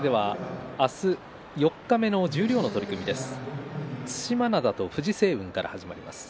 明日、四日目の十両の取組です。